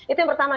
itu yang pertama